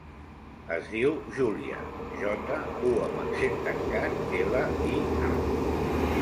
Es diu Júlia: jota, u amb accent tancat, ela, i, a.